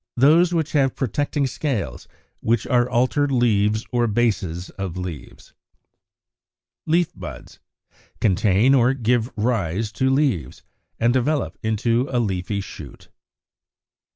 Scaly buds; those which have protecting scales, which are altered leaves or bases of leaves. Leaf buds, contain or give rise to leaves, and develop into a leafy shoot.